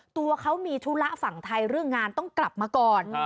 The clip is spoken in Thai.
ตัวเขามีธุระฝั่งไทยเรื่องงานต้องกลับมาก่อน